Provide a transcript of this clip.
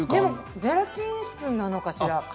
ゼラチン質なのかしら？